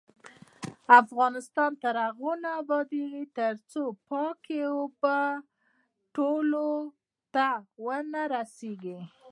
افغانستان تر هغو نه ابادیږي، ترڅو پاکې اوبه ټولو ته ونه رسیږي.